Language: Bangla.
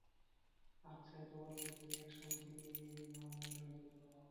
আচ্ছা, এতো বাচ্চা কি এক স্বামী থেকেই নিবি না আমিও সাহায্য করব?